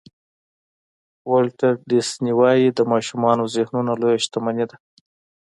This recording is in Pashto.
ولټر ډیسني وایي د ماشومانو ذهنونه لویه شتمني ده.